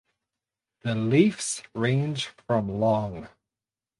The leaves range from long.